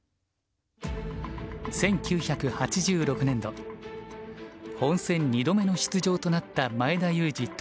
１９８６年度本戦２度目の出場となった前田祐司